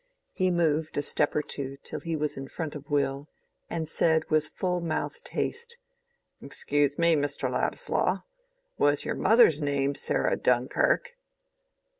He moved a step or two till he was in front of Will, and said with full mouthed haste, "Excuse me, Mr. Ladislaw—was your mother's name Sarah Dunkirk?"